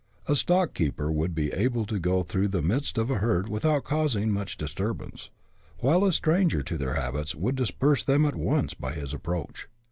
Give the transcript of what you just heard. A stock keeper would be able to go through the midst of a herd without causing much disturbance, while a stranger to their habits would disperse them at once by his approach.